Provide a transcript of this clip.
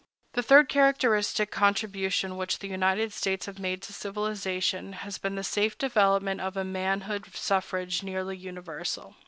The third characteristic contribution which the United States have made to civilization has been the safe development of a manhood suffrage nearly universal.